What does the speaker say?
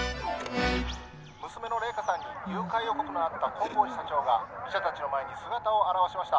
娘の麗華さんに誘拐予告のあった金剛寺社長が記者たちの前に姿を現しました。